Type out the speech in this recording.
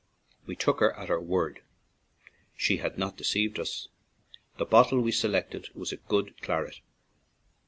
We took her at her word; she had not deceived us — the bottle we selected was a good claret.